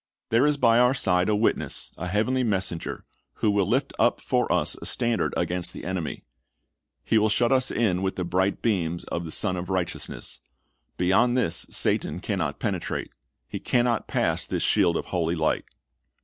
There is by our side a witness, a heavenly messenger, who will lift up for us a standard against the enemy. He will shut us in with the bright beams of the Sun of Righteousness. Beyond this Satan can not penetrate. He can not pass this shield of holy light.